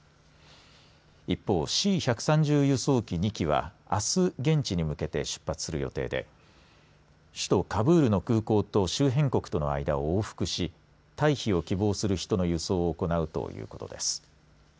一方、Ｃ１３０輸送機２機はあす現地に向けて出発する予定で首都カブールの空港と周辺国との間を往復し退避を希望する人の輸送を行うということです。